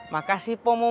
makasih poh momun